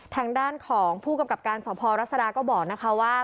ทางด้านของผู้กำกับการสพรัศดาก็บอกนะคะว่า